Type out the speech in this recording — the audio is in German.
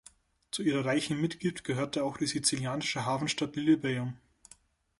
Zu ihrer reichen Mitgift gehörte auch die sizilianische Hafenstadt Lilybaeum.